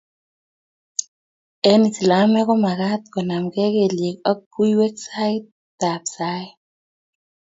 eng' islamek ko mekat konamgei kelyek ak buiwek saitab saet